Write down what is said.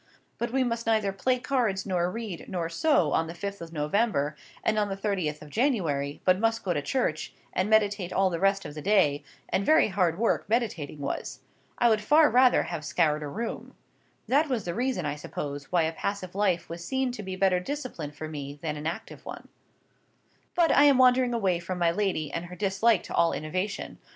But we must neither play cards, nor read, nor sew on the fifth of November and on the thirtieth of January, but must go to church, and meditate all the rest of the day—and very hard work meditating was. I would far rather have scoured a room. That was the reason, I suppose, why a passive life was seen to be better discipline for me than an active one. But I am wandering away from my lady, and her dislike to all innovation.